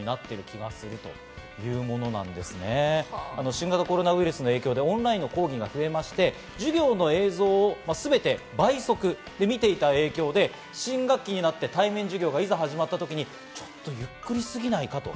新型コロナウイルスの影響でオンラインの講義が増えまして授業の映像をすべて倍速で見ていた影響で、新学期になって対面の授業が始まった時にちょっとゆっくりすぎないかと。